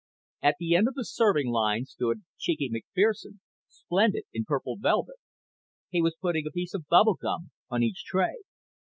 At the end of the serving line stood Cheeky McFerson, splendid in purple velvet. He was putting a piece of bubble gum on each tray.